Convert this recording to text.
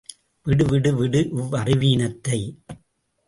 விடு, விடு, விடு இவ்வறி வீனத்தை.